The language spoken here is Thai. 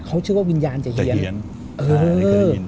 เขาเชื่อว่าวิญญาณใจเยียน